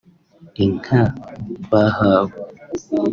Inka bahawe